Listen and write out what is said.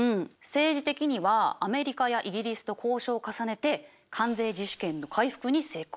政治的にはアメリカやイギリスと交渉を重ねて関税自主権の回復に成功。